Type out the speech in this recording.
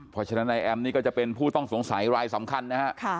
เพราะฉะนั้นนายแอมนี่ก็จะเป็นผู้ต้องสงสัยรายสำคัญนะฮะ